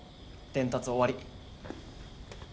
伝達終わり。